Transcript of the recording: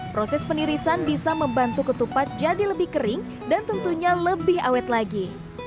proses penirisan bisa membantu ketupat jadi lebih kering dan tentunya lebih awet lagi